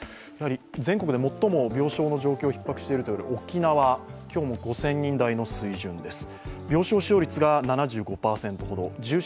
全国で最も病床の状況がひっ迫している沖縄、今日も５０００人台です。